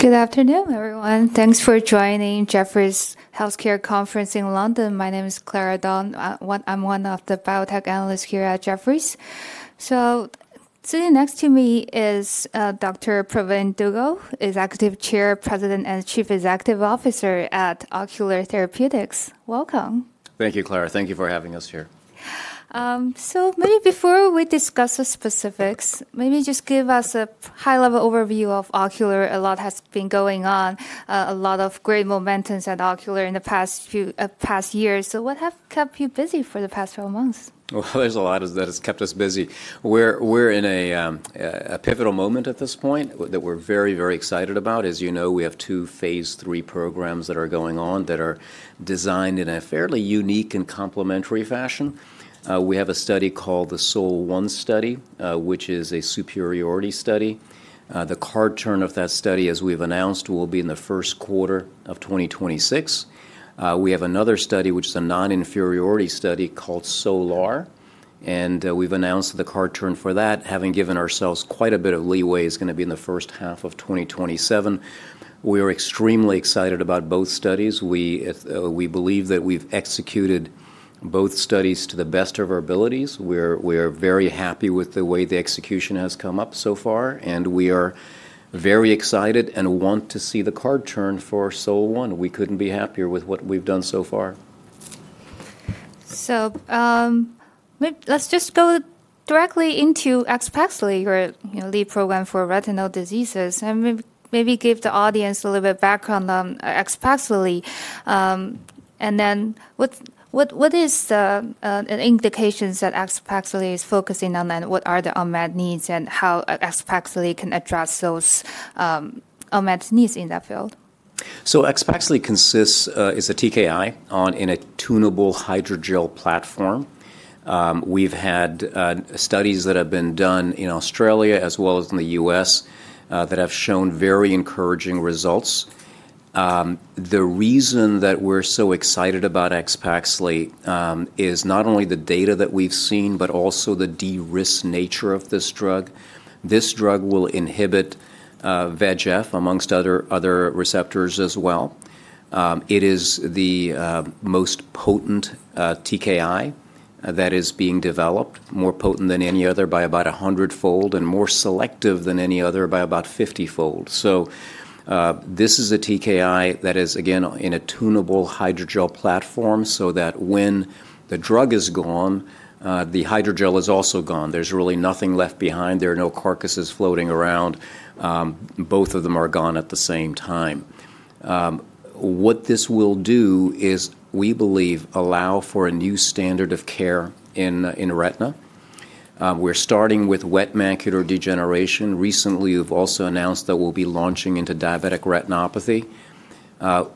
Good afternoon, everyone. Thanks for joining Jefferies Healthcare Conference in London. My name is Clara Don. I'm one of the biotech analysts here at Jefferies. Sitting next to me is Dr. Pravin Dugel, Executive Chair, President, and Chief Executive Officer at Ocular Therapeutix. Welcome. Thank you, Clara. Thank you for having us here. Maybe before we discuss the specifics, maybe just give us a high-level overview of Ocular. A lot has been going on, a lot of great momentum at Ocular in the past few years. What has kept you busy for the past 12 months? There is a lot that has kept us busy. We are in a pivotal moment at this point that we are very, very excited about. As you know, we have two phase III programs that are going on that are designed in a fairly unique and complementary fashion. We have a study called the SOL-1 study, which is a superiority study. The card turn of that study, as we have announced, will be in the first quarter of 2026. We have another study, which is a non-inferiority study called SOL-R. We have announced the card turn for that, having given ourselves quite a bit of leeway. It is going to be in the first half of 2027. We are extremely excited about both studies. We believe that we have executed both studies to the best of our abilities. We are very happy with the way the execution has come up so far. We are very excited and want to see the card turn for SOL-1. We could not be happier with what we have done so far. Let's just go directly into AXPAXLI, your lead program for retinal diseases. Maybe give the audience a little bit of background on AXPAXLI. What are the indications that AXPAXLI is focusing on, what are the unmet needs, and how AXPAXLI can address those unmet needs in that field? AXPAXLI consists of a TKI on an attunable hydrogel platform. We've had studies that have been done in Australia as well as in the U.S. that have shown very encouraging results. The reason that we're so excited about AXPAXLI is not only the data that we've seen, but also the de-risk nature of this drug. This drug will inhibit VEGF, amongst other receptors as well. It is the most potent TKI that is being developed, more potent than any other by about 100-fold, and more selective than any other by about 50-fold. This is a TKI that is, again, an attunable hydrogel platform so that when the drug is gone, the hydrogel is also gone. There's really nothing left behind. There are no carcasses floating around. Both of them are gone at the same time. What this will do is, we believe, allow for a new standard of care in retina. We're starting with wet macular degeneration. Recently, we've also announced that we'll be launching into diabetic retinopathy.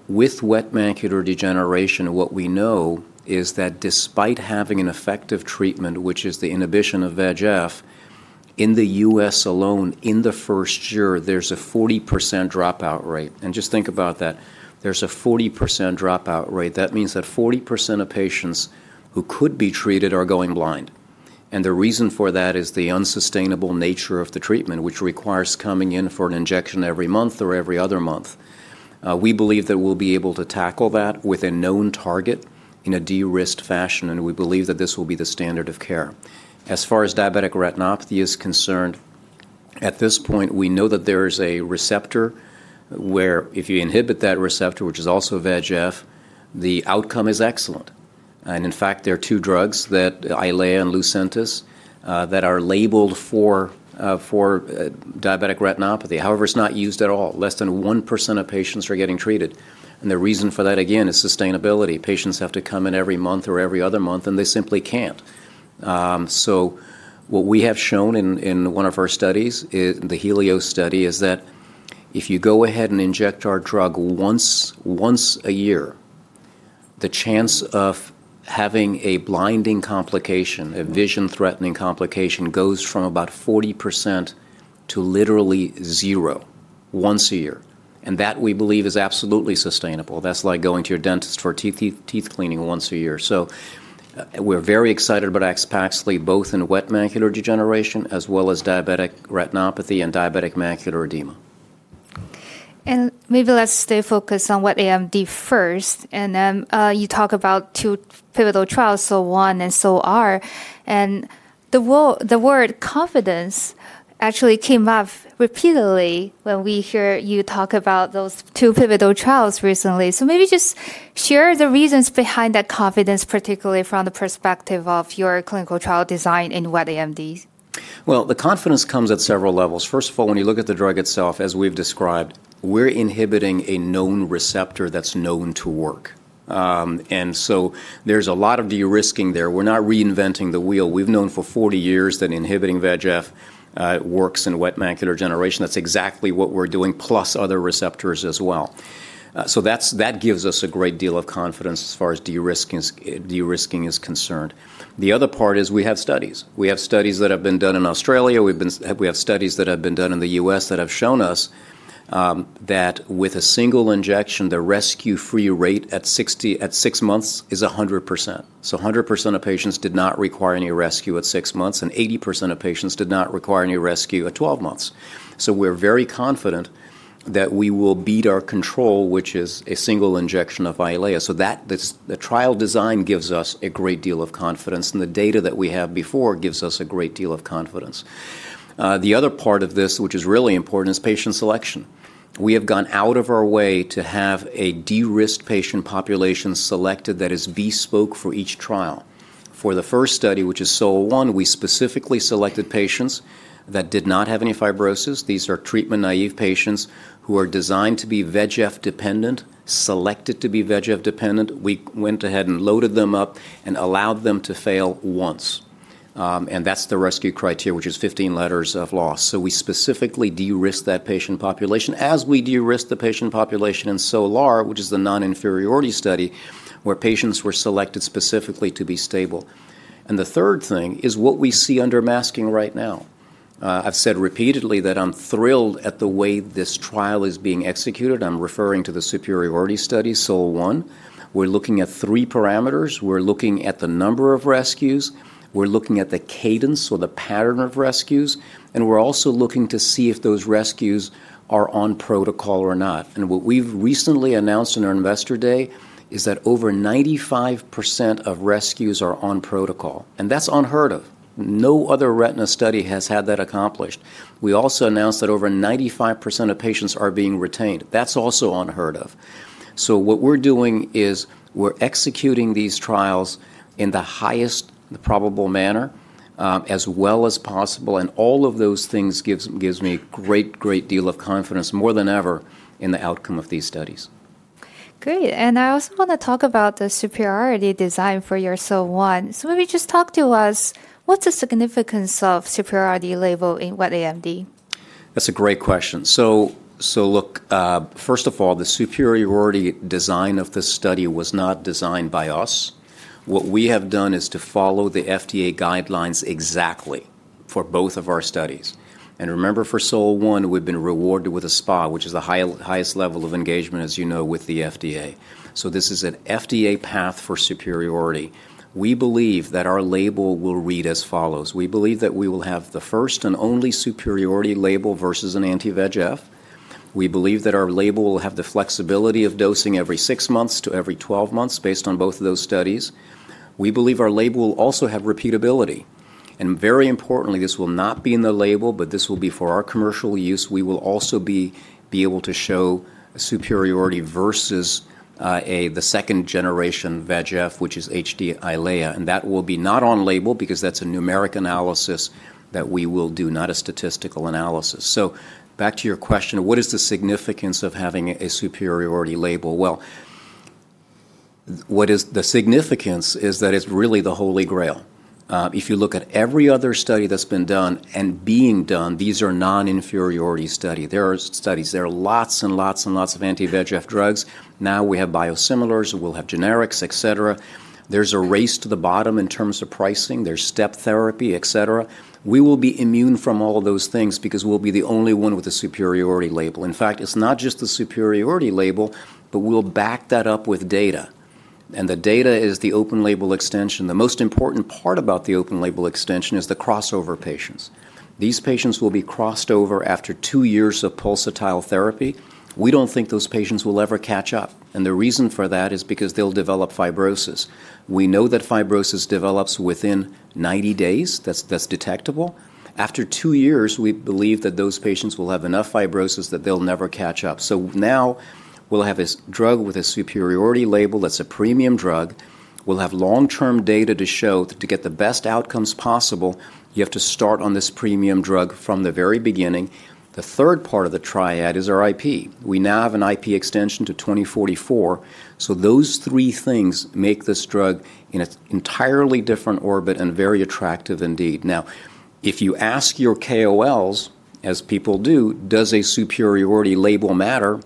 With wet macular degeneration, what we know is that despite having an effective treatment, which is the inhibition of VEGF, in the U.S. alone, in the first year, there's a 40% dropout rate. Just think about that. There's a 40% dropout rate. That means that 40% of patients who could be treated are going blind. The reason for that is the unsustainable nature of the treatment, which requires coming in for an injection every month or every other month. We believe that we'll be able to tackle that with a known target in a de-risked fashion. We believe that this will be the standard of care. As far as diabetic retinopathy is concerned, at this point, we know that there is a receptor where, if you inhibit that receptor, which is also VEGF, the outcome is excellent. In fact, there are two drugs, Eylea and Lucentis, that are labeled for diabetic retinopathy. However, it's not used at all. Less than 1% of patients are getting treated. The reason for that, again, is sustainability. Patients have to come in every month or every other month, and they simply can't. What we have shown in one of our studies, the Healio study, is that if you go ahead and inject our drug once a year, the chance of having a blinding complication, a vision-threatening complication, goes from about 40% to literally zero once a year. That, we believe, is absolutely sustainable. That's like going to your dentist for teeth cleaning once a year. We're very excited about AXPAXLI, both in wet macular degeneration as well as diabetic retinopathy and diabetic macular edema. Maybe let's stay focused on wet AMD first. You talk about two pivotal trials, SOL-1 and SOL-R. The word confidence actually came up repeatedly when we hear you talk about those two pivotal trials recently. Maybe just share the reasons behind that confidence, particularly from the perspective of your clinical trial design in wet AMD. The confidence comes at several levels. First of all, when you look at the drug itself, as we've described, we're inhibiting a known receptor that's known to work. There is a lot of de-risking there. We're not reinventing the wheel. We've known for 40 years that inhibiting VEGF works in wet macular degeneration. That's exactly what we're doing, plus other receptors as well. That gives us a great deal of confidence as far as de-risking is concerned. The other part is we have studies. We have studies that have been done in Australia. We have studies that have been done in the U.S. that have shown us that with a single injection, the rescue-free rate at six months is 100%. 100% of patients did not require any rescue at six months, and 80% of patients did not require any rescue at 12 months. We're very confident that we will beat our control, which is a single injection of Eylea. The trial design gives us a great deal of confidence, and the data that we have before gives us a great deal of confidence. The other part of this, which is really important, is patient selection. We have gone out of our way to have a de-risked patient population selected that is bespoke for each trial. For the first study, which is SOL-1, we specifically selected patients that did not have any fibrosis. These are treatment-naive patients who are designed to be VEGF-dependent, selected to be VEGF-dependent. We went ahead and loaded them up and allowed them to fail once. That's the rescue criteria, which is 15 letters of loss. We specifically de-risked that patient population. As we de-risked the patient population in SOL-R, which is the non-inferiority study, where patients were selected specifically to be stable. The third thing is what we see under masking right now. I've said repeatedly that I'm thrilled at the way this trial is being executed. I'm referring to the superiority study, SOL-1. We're looking at three parameters. We're looking at the number of rescues. We're looking at the cadence or the pattern of rescues. We're also looking to see if those rescues are on protocol or not. What we've recently announced in our investor day is that over 95% of rescues are on protocol. That's unheard of. No other retina study has had that accomplished. We also announced that over 95% of patients are being retained. That's also unheard of. What we're doing is we're executing these trials in the highest probable manner as well as possible. All of those things give me a great, great deal of confidence, more than ever, in the outcome of these studies. Great. I also want to talk about the superiority design for your SOL-1. Maybe just talk to us, what's the significance of superiority label in wet AMD? That's a great question. Look, first of all, the superiority design of this study was not designed by us. What we have done is to follow the FDA guidelines exactly for both of our studies. Remember, for SOL-1, we've been rewarded with a SPA, which is the highest level of engagement, as you know, with the FDA. This is an FDA path for superiority. We believe that our label will read as follows. We believe that we will have the first and only superiority label versus an anti-VEGF. We believe that our label will have the flexibility of dosing every six months to every 12 months based on both of those studies. We believe our label will also have repeatability. Very importantly, this will not be in the label, but this will be for our commercial use. We will also be able to show superiority versus the second generation VEGF, which is HD Eylea. That will be not on label because that is a numeric analysis that we will do, not a statistical analysis. Back to your question, what is the significance of having a superiority label? The significance is that it is really the Holy Grail. If you look at every other study that has been done and being done, these are non-inferiority studies. There are lots and lots and lots of anti-VEGF drugs. Now we have biosimilars. We will have generics, et cetera. There is a race to the bottom in terms of pricing. There is step therapy, et cetera. We will be immune from all of those things because we will be the only one with a superiority label. In fact, it is not just the superiority label, but we will back that up with data. The data is the open label extension. The most important part about the open label extension is the crossover patients. These patients will be crossed over after two years of pulsatile therapy. We do not think those patients will ever catch up. The reason for that is because they will develop fibrosis. We know that fibrosis develops within 90 days. That is detectable. After two years, we believe that those patients will have enough fibrosis that they will never catch up. Now we will have this drug with a superiority label that is a premium drug. We will have long-term data to show that to get the best outcomes possible, you have to start on this premium drug from the very beginning. The third part of the triad is our IP. We now have an IP extension to 2044. Those three things make this drug in an entirely different orbit and very attractive indeed. Now, if you ask your KOLs, as people do, does a superiority label matter?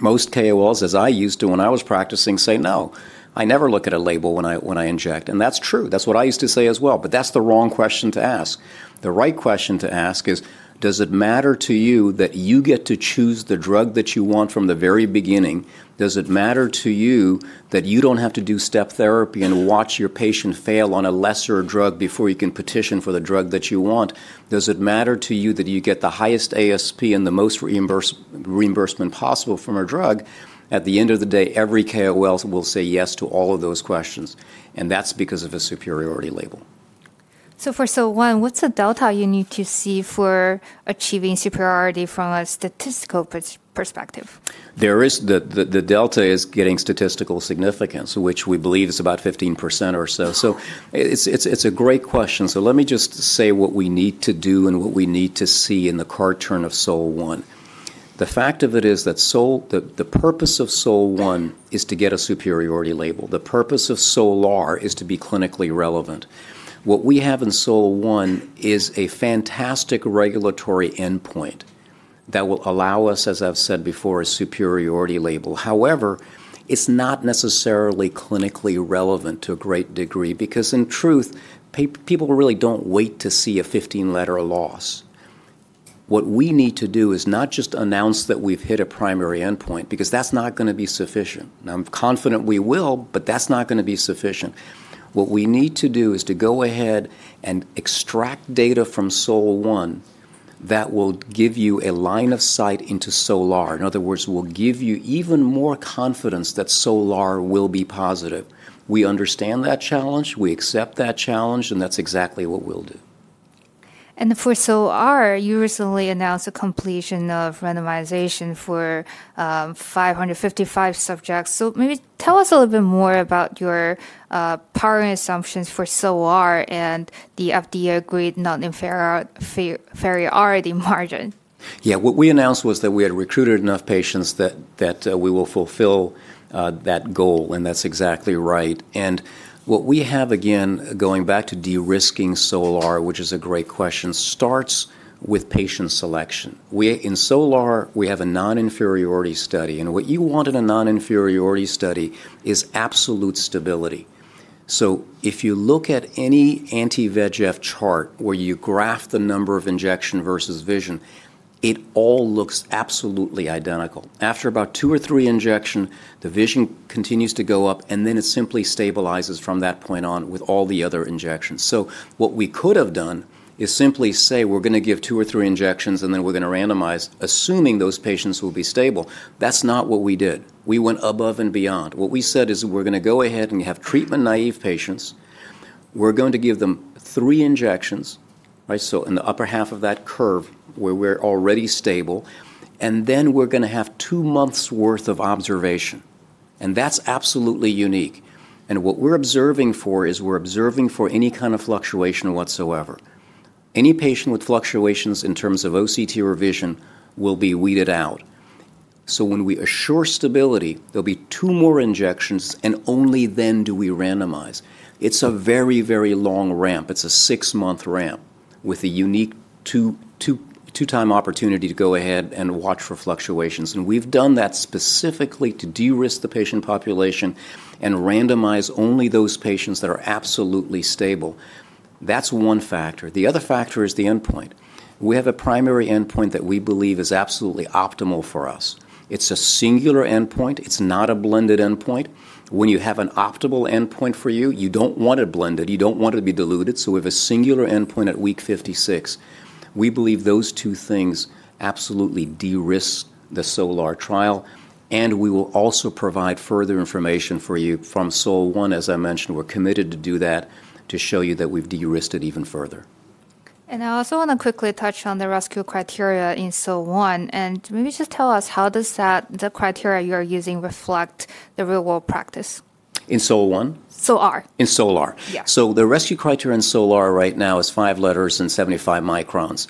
Most KOLs, as I used to when I was practicing, say no. I never look at a label when I inject. That's true. That's what I used to say as well. That's the wrong question to ask. The right question to ask is, does it matter to you that you get to choose the drug that you want from the very beginning? Does it matter to you that you don't have to do step therapy and watch your patient fail on a lesser drug before you can petition for the drug that you want? Does it matter to you that you get the highest ASP and the most reimbursement possible from a drug? At the end of the day, every KOL will say yes to all of those questions. That is because of a superiority label. For SOL-1, what's the delta you need to see for achieving superiority from a statistical perspective? The delta is getting statistical significance, which we believe is about 15% or so. It is a great question. Let me just say what we need to do and what we need to see in the cartoon of SOL-1. The fact of it is that the purpose of SOL-1 is to get a superiority label. The purpose of SOL-R is to be clinically relevant. What we have in SOL-1 is a fantastic regulatory endpoint that will allow us, as I've said before, a superiority label. However, it is not necessarily clinically relevant to a great degree because in truth, people really do not wait to see a 15-letter loss. What we need to do is not just announce that we've hit a primary endpoint because that is not going to be sufficient. Now, I'm confident we will, but that is not going to be sufficient. What we need to do is to go ahead and extract data from SOL-1 that will give you a line of sight into SOL-R. In other words, we'll give you even more confidence that SOL-R will be positive. We understand that challenge. We accept that challenge. That's exactly what we'll do. For SOL-R, you recently announced a completion of randomization for 555 subjects. Maybe tell us a little bit more about your prior assumptions for SOL-R and the FDA-agreed non-inferiority margin. Yeah. What we announced was that we had recruited enough patients that we will fulfill that goal. That's exactly right. What we have, again, going back to de-risking SOL-R, which is a great question, starts with patient selection. In SOL-R, we have a non-inferiority study. What you want in a non-inferiority study is absolute stability. If you look at any anti-VEGF chart where you graph the number of injections versus vision, it all looks absolutely identical. After about two or three injections, the vision continues to go up, and then it simply stabilizes from that point on with all the other injections. What we could have done is simply say we're going to give two or three injections, and then we're going to randomize, assuming those patients will be stable. That's not what we did. We went above and beyond. What we said is we're going to go ahead and have treatment-naive patients. We're going to give them three injections, right, so in the upper half of that curve where we're already stable. Then we're going to have two months' worth of observation. That's absolutely unique. What we're observing for is we're observing for any kind of fluctuation whatsoever. Any patient with fluctuations in terms of OCT or vision will be weeded out. When we assure stability, there'll be two more injections, and only then do we randomize. It's a very, very long ramp. It's a six-month ramp with a unique two-time opportunity to go ahead and watch for fluctuations. We've done that specifically to de-risk the patient population and randomize only those patients that are absolutely stable. That's one factor. The other factor is the endpoint. We have a primary endpoint that we believe is absolutely optimal for us. It's a singular endpoint. It's not a blended endpoint. When you have an optimal endpoint for you, you don't want it blended. You don't want it to be diluted. We have a singular endpoint at week 56. We believe those two things absolutely de-risk the SOL-R trial. We will also provide further information for you from SOL-1. As I mentioned, we're committed to do that to show you that we've de-risked it even further. I also want to quickly touch on the rescue criteria in SOL-1. Maybe just tell us, how does the criteria you're using reflect the real-world practice? In SOL-1? SOL-R. In SOL-R. Yes. The rescue criteria in SOL-R right now is five letters and 75 microns.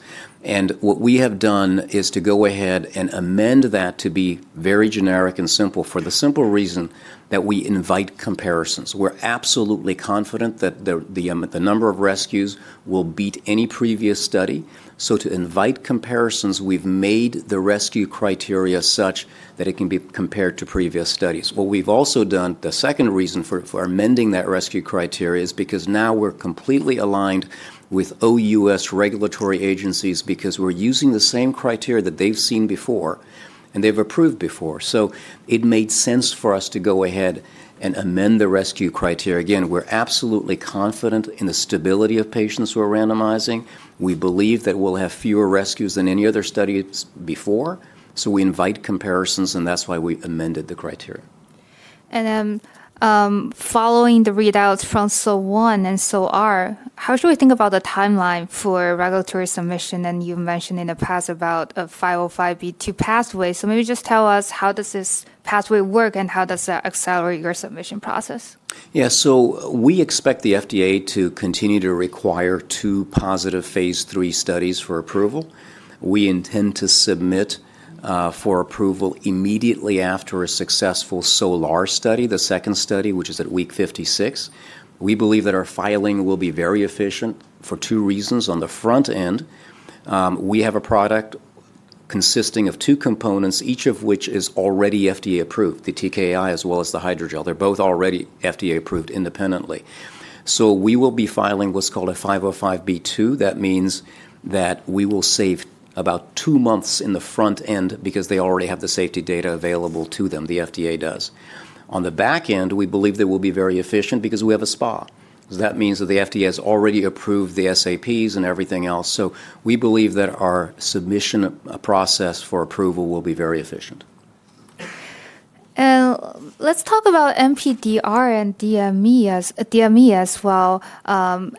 What we have done is to go ahead and amend that to be very generic and simple for the simple reason that we invite comparisons. We're absolutely confident that the number of rescues will beat any previous study. To invite comparisons, we've made the rescue criteria such that it can be compared to previous studies. What we've also done, the second reason for amending that rescue criteria, is because now we're completely aligned with OUS regulatory agencies because we're using the same criteria that they've seen before and they've approved before. It made sense for us to go ahead and amend the rescue criteria. Again, we're absolutely confident in the stability of patients we're randomizing. We believe that we'll have fewer rescues than any other studies before. We invite comparisons, and that's why we amended the criteria. Following the readouts from SOL-1 and SOL-R, how should we think about the timeline for regulatory submission? You mentioned in the past about a 505(b)(2) pathway. Maybe just tell us, how does this pathway work, and how does that accelerate your submission process? Yeah. We expect the FDA to continue to require two positive phase three studies for approval. We intend to submit for approval immediately after a successful SOL-R study, the second study, which is at week 56. We believe that our filing will be very efficient for two reasons. On the front end, we have a product consisting of two components, each of which is already FDA approved, the TKI as well as the hydrogel. They're both already FDA approved independently. We will be filing what's called a 505(b)(2). That means that we will save about two months in the front end because they already have the safety data available to them. The FDA does. On the back end, we believe that we'll be very efficient because we have a SPA. That means that the FDA has already approved the SAPs and everything else. We believe that our submission process for approval will be very efficient. Let's talk about NPDR and DME as well.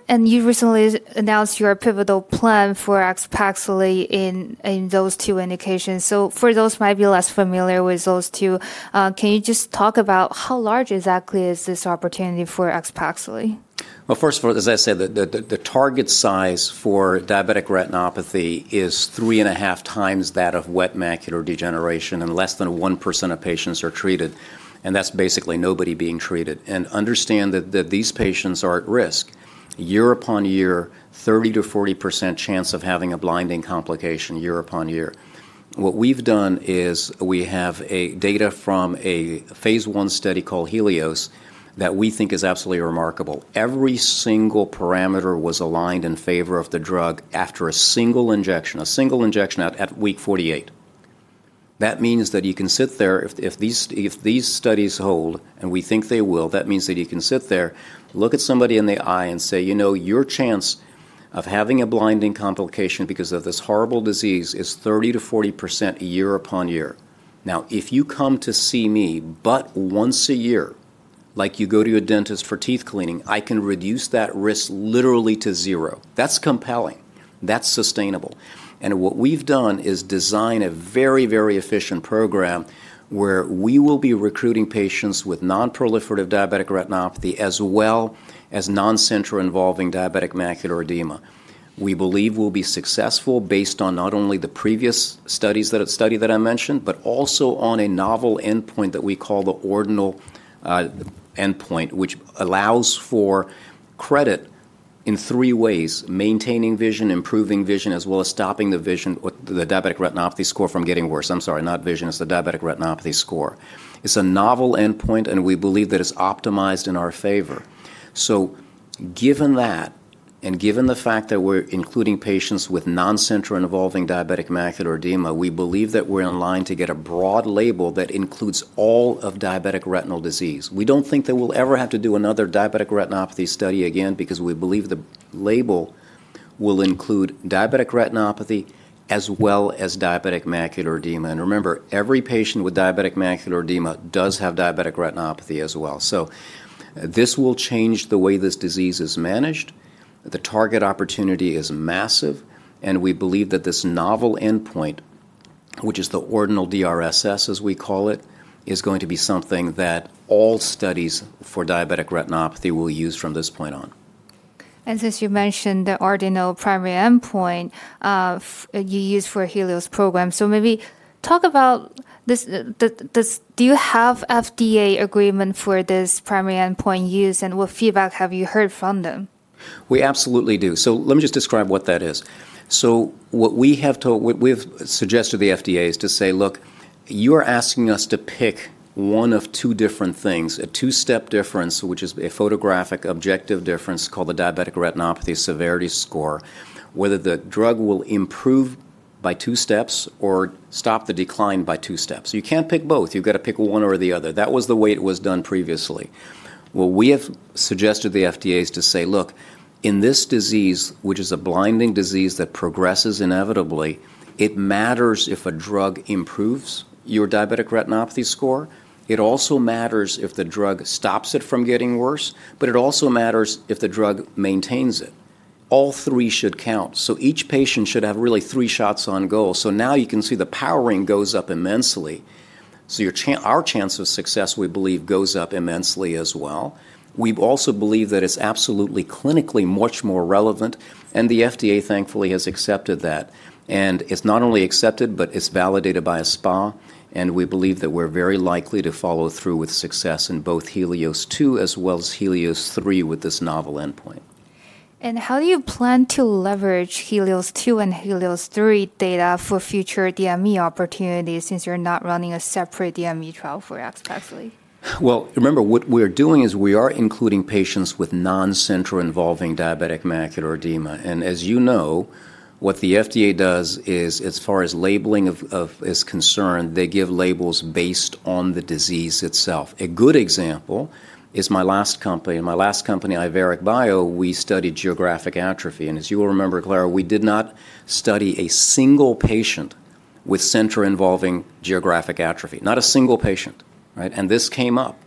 You recently announced your pivotal plan for AXPAXLI in those two indications. For those who might be less familiar with those two, can you just talk about how large exactly is this opportunity for AXPAXLI? First of all, as I said, the target size for diabetic retinopathy is three and a half times that of wet macular degeneration, and less than 1% of patients are treated. That is basically nobody being treated. Understand that these patients are at risk. Year upon year, 30-40% chance of having a blinding complication year upon year. What we have done is we have data from a phase one study called Helios that we think is absolutely remarkable. Every single parameter was aligned in favor of the drug after a single injection, a single injection at week 48. That means that you can sit there if these studies hold, and we think they will, that means that you can sit there, look at somebody in the eye, and say, "You know, your chance of having a blinding complication because of this horrible disease is 30-40% year upon year. Now, if you come to see me but once a year, like you go to a dentist for teeth cleaning, I can reduce that risk literally to zero." That's compelling. That's sustainable. What we've done is design a very, very efficient program where we will be recruiting patients with non-proliferative diabetic retinopathy as well as non-center-involving diabetic macular edema. We believe we'll be successful based on not only the previous studies that I mentioned, but also on a novel endpoint that we call the ordinal endpoint, which allows for credit in three ways: maintaining vision, improving vision, as well as stopping the diabetic retinopathy score from getting worse. I'm sorry, not vision. It's the diabetic retinopathy score. It's a novel endpoint, and we believe that it's optimized in our favor. Given that and given the fact that we're including patients with non-center-involving diabetic macular edema, we believe that we're in line to get a broad label that includes all of diabetic retinal disease. We don't think that we'll ever have to do another diabetic retinopathy study again because we believe the label will include diabetic retinopathy as well as diabetic macular edema. Remember, every patient with diabetic macular edema does have diabetic retinopathy as well. This will change the way this disease is managed. The target opportunity is massive. We believe that this novel endpoint, which is the ordinal DRSS, as we call it, is going to be something that all studies for diabetic retinopathy will use from this point on. Since you mentioned the ordinal primary endpoint you use for Helios program, maybe talk about this. Do you have FDA agreement for this primary endpoint use, and what feedback have you heard from them? We absolutely do. Let me just describe what that is. What we have suggested to the FDA is to say, "Look, you are asking us to pick one of two different things: a two-step difference, which is a photographic objective difference called the diabetic retinopathy severity score, whether the drug will improve by two steps or stop the decline by two steps." You cannot pick both. You have to pick one or the other. That was the way it was done previously. We have suggested to the FDA to say, "Look, in this disease, which is a blinding disease that progresses inevitably, it matters if a drug improves your diabetic retinopathy score. It also matters if the drug stops it from getting worse, but it also matters if the drug maintains it. All three should count." Each patient should have really three shots on goal. Now you can see the powering goes up immensely. Our chance of success, we believe, goes up immensely as well. We also believe that it's absolutely clinically much more relevant. The FDA, thankfully, has accepted that. It's not only accepted, but it's validated by a SPA. We believe that we're very likely to follow through with success in both Helios 2 as well as Helios 3 with this novel endpoint. How do you plan to leverage Helios 2 and Helios 3 data for future DME opportunities since you're not running a separate DME trial for AXPAXLI? Remember, what we're doing is we are including patients with non-center-involving diabetic macular edema. As you know, what the FDA does is, as far as labeling is concerned, they give labels based on the disease itself. A good example is my last company. In my last company, Iveric Bio, we studied geographic atrophy. As you will remember, Clara, we did not study a single patient with center-involving geographic atrophy, not a single patient, right? This came up.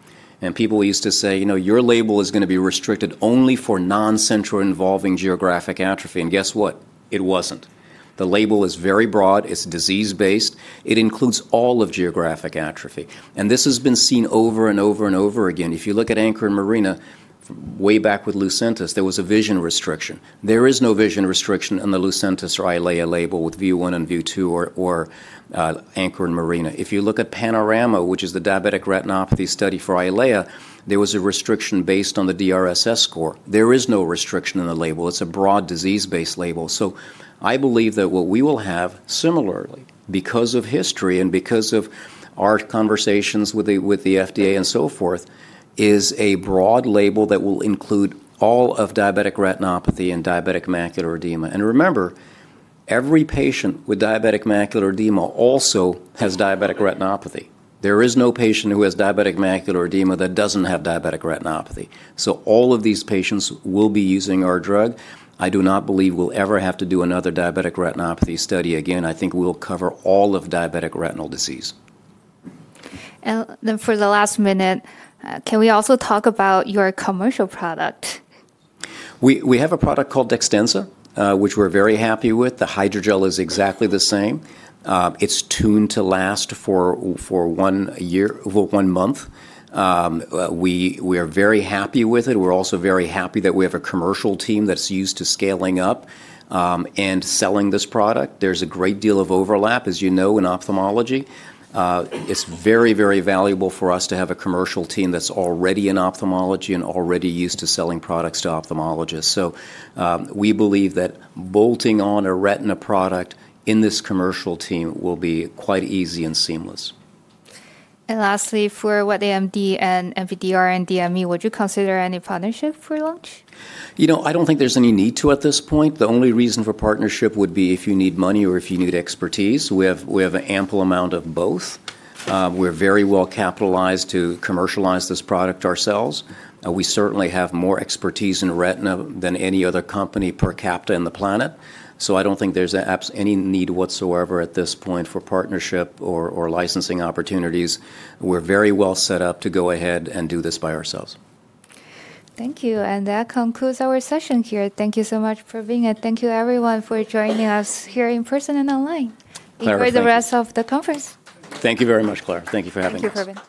People used to say, "You know, your label is going to be restricted only for non-center-involving geographic atrophy." Guess what? It wasn't. The label is very broad. It's disease-based. It includes all of geographic atrophy. This has been seen over and over and over again. If you look at Anchor & Marina, way back with Lucentis, there was a vision restriction. There is no vision restriction in the Lucentis or Eylea label with View 1 and View 2 or Anchor & Marina. If you look at Panorama, which is the diabetic retinopathy study for Eylea, there was a restriction based on the DRSS score. There is no restriction in the label. It is a broad disease-based label. I believe that what we will have, similarly, because of history and because of our conversations with the FDA and so forth, is a broad label that will include all of diabetic retinopathy and diabetic macular edema. Remember, every patient with diabetic macular edema also has diabetic retinopathy. There is no patient who has diabetic macular edema that does not have diabetic retinopathy. All of these patients will be using our drug. I do not believe we will ever have to do another diabetic retinopathy study again. I think we'll cover all of diabetic retinal disease. For the last minute, can we also talk about your commercial product? We have a product called Dextenza, which we're very happy with. The hydrogel is exactly the same. It's tuned to last for one month. We are very happy with it. We're also very happy that we have a commercial team that's used to scaling up and selling this product. There's a great deal of overlap, as you know, in ophthalmology. It's very, very valuable for us to have a commercial team that's already in ophthalmology and already used to selling products to ophthalmologists. We believe that bolting on a retina product in this commercial team will be quite easy and seamless. Lastly, for wet AMD and NPDR and DME, would you consider any partnership for launch? You know, I don't think there's any need to at this point. The only reason for partnership would be if you need money or if you need expertise. We have an ample amount of both. We're very well capitalized to commercialize this product ourselves. We certainly have more expertise in retina than any other company per capita in the planet. So I don't think there's any need whatsoever at this point for partnership or licensing opportunities. We're very well set up to go ahead and do this by ourselves. Thank you. That concludes our session here. Thank you so much for being here. Thank you, everyone, for joining us here in person and online. Thank you. Enjoy the rest of the conference. Thank you very much, Clara. Thank you for having us. Thank you.